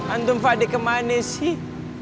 antum fadik kemana sih